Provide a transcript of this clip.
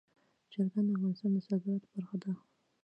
چرګان د افغانستان د صادراتو برخه ده.